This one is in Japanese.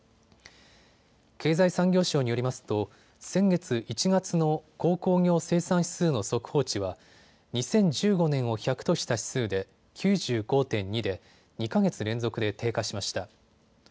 経済産業省によりますと先月１月の鉱工業生産指数の速報値は２０１５年を１００とした指数で９５．２で２か月連続で低下しました。